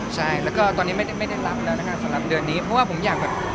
ใช่แล้วก็ตอนนี้ไม่ได้รับแล้วนะคะสำหรับเดือนนี้เพราะว่าผมอยากแบบ